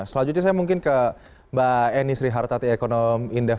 selanjutnya saya mungkin ke mbak eni srihartati ekonom indef